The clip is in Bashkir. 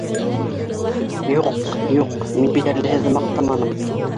— Юҡ, юҡ, мин бит әле һеҙҙе маҡтаманым